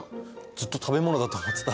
ずっと食べ物だと思ってた。